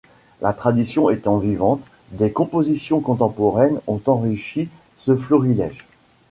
La tradition étant vivante, des compositions contemporaines ont enrichi ce florilège.